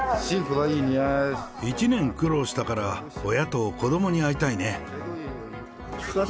１年苦労したから、親と子どもに会いたいね。